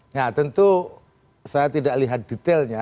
nah tentu saya tidak lihat detailnya